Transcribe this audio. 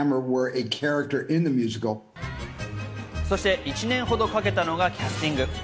そして１年ほどかけたのがキャスティング。